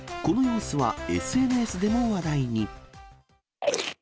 この様子は、ＳＮＳでも話題に。